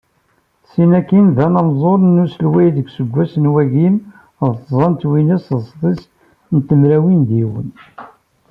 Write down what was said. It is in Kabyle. Syin akkin d anamzul n uselway deg useggas n wagim d tẓa n twinas d sḍis n tmerwin d yiwen.